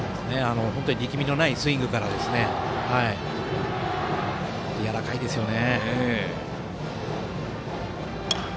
力みのないスイングからやわらかいですよね。